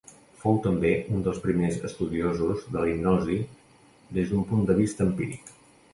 Fou també un dels primers estudiosos de la hipnosi des d'un punt de vista empíric.